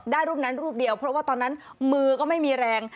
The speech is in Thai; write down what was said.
รูปนั้นรูปเดียวเพราะว่าตอนนั้นมือก็ไม่มีแรง